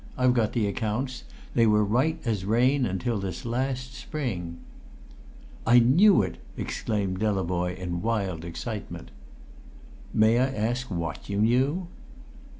I've got the accounts; they were as right as rain till this last spring." "I knew it!" exclaimed Delavoye in wild excitement. "May I ask what you knew?"